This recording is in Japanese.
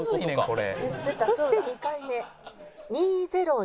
そして２回目。